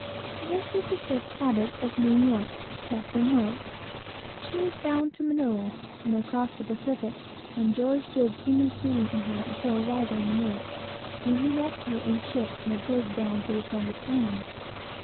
This was the ship Cabot, of New York, Captain Low. She was bound to Manilla, from across the Pacific, and George did seaman's duty in her until her arrival in Manilla, when he left her, and shipped in a brig bound to the Sandwich Islands.